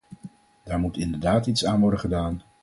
Daar moet inderdaad iets aan worden gedaan.